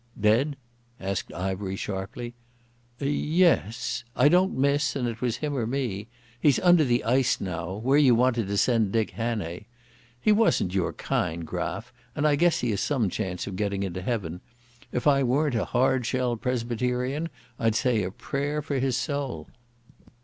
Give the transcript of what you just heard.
"Dead?" asked Ivery sharply. "Ye es. I don't miss, and it was him or me. He's under the ice now—where you wanted to send Dick Hannay. He wasn't your kind, Graf, and I guess he has some chance of getting into Heaven. If I weren't a hard shell Presbyterian I'd say a prayer for his soul."